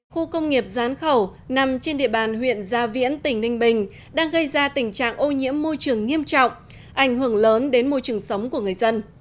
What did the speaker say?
khu công nghiệp gián khẩu nằm trên địa bàn huyện gia viễn tỉnh ninh bình đang gây ra tình trạng ô nhiễm môi trường nghiêm trọng ảnh hưởng lớn đến môi trường sống của người dân